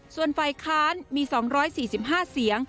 ส่วนฝ่ายค้านมี๒๔๕เสียง